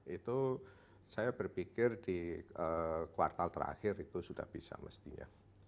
itu saya berpikir di kuartal terakhir itu sudah bisa mestinya